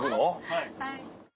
はい。